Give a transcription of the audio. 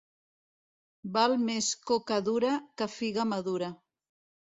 Val més coca dura que figa madura.